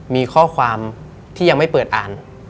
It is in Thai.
มีข้อความที่ยังไม่เปิดอ่าน